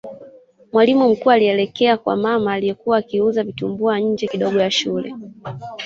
mwalimu mkuu alielekea kwa mama aliyekuwa akiuza vitumbua nje kidogo ya shule